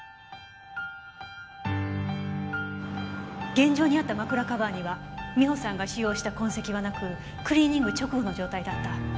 現場にあった枕カバーには美帆さんが使用した痕跡はなくクリーニング直後の状態だった。